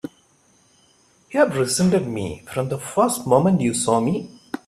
You've resented me from the first moment you saw me!